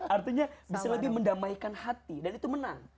artinya bisa lebih mendamaikan hati dan itu menang